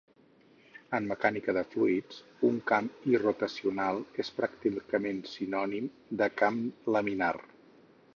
En mecànica dels fluids, un camp irrotacional és pràcticament sinònim de camp laminar.